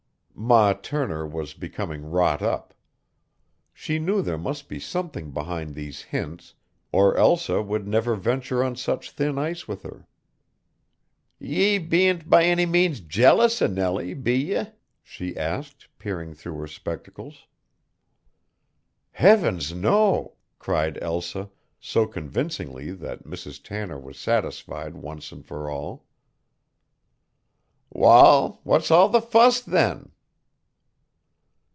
Ma Turner was becoming wrought up. She knew there must be something behind these hints or Elsa would never venture on such thin ice with her. "Ye be'n't by any means jealous o' Nellie, be ye?" she asked, peering through her spectacles. "Heavens, no!" cried Elsa so convincingly that Mrs. Tanner was satisfied once and for all. "Wal, what's all the fuss, then?"